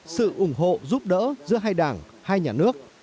sự ủng hộ giúp đỡ giữa hai đảng hai nhà nước